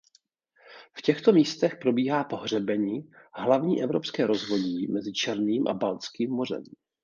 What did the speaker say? V těchto místech probíhá po hřebeni hlavní evropské rozvodí mezi Černým a Baltským mořem.